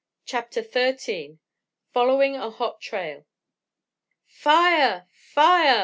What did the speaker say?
CHAPTER XIII FOLLOWING A HOT TRAIL "Fire! Fire!"